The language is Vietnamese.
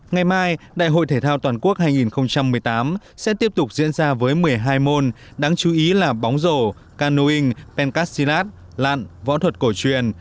ngày mai đại hội thể thao toàn quốc hai nghìn một mươi tám sẽ tiếp tục diễn ra với một mươi hai môn đáng chú ý là bóng rổ canoing pencastilat lạn võ thuật cổ truyền